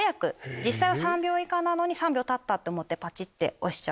実際は３秒以下なのに３秒たったと思って押しちゃう。